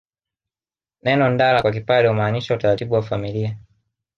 Neno ndala kwa Kipare humaanisha utaratibu wa familia